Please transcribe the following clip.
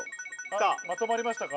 まとまりましたか？